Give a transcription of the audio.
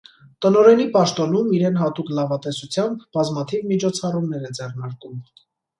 Տնօրենի պաշտոնում, իրեն հատուկ լավատեսությամբ բազմաթիվ միջոցառումներ է ձեռնարկում։